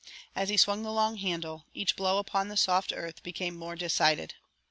As he swung the long handle, each blow upon the soft earth became more decided.